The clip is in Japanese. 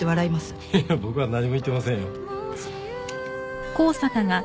いや僕は何も言ってませんよ。